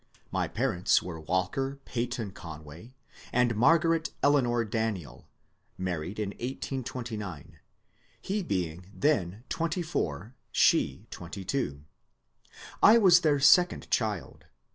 My parents were Walker Peyton Conway and Margaret Eleanor Daniel, married in 1829, he being then twenty four, she twenty two. I was their second child.